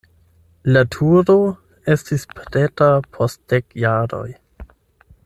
La turo estis preta post dek jaroj.